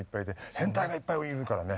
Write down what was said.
変態がいっぱいいるからね。